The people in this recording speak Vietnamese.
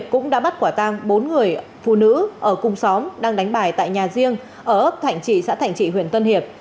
cũng đã bắt quả tang bốn người phụ nữ ở cùng xóm đang đánh bài tại nhà riêng ở ấp thạnh trị xã thạnh trị huyện tân hiệp